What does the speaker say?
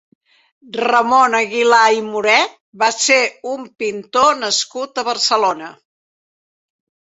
Ramon Aguilar i Moré va ser un pintor nascut a Barcelona.